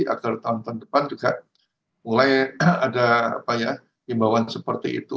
agar tahun tahun depan juga mulai ada himbauan seperti itu